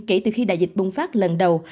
kể từ khi đại dịch bùng phát lần đầu